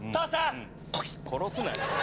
殺すなよ。